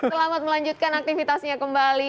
selamat melanjutkan aktivitasnya kembali